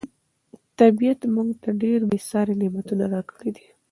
طبیعت موږ ته ډېر بې ساري نعمتونه راکړي دي.